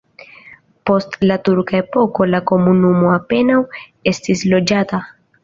Post la turka epoko la komunumo apenaŭ estis loĝata.